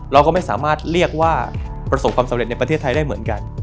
เราก็ไม่สามารถเรียกว่าประสบความสำเร็จในประเทศไทยได้เหมือนกัน